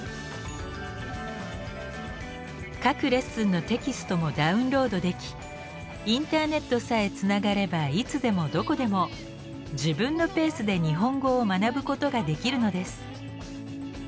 各レッスンのテキストもダウンロードできインターネットさえつながればいつでもどこでも自分のペースで日本語を学ぶことができるのです。